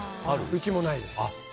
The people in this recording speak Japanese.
うちもないです。